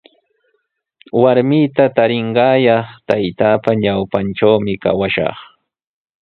Warmita tarinqaayaq taytaapa ñawpantrawmi kawashaq.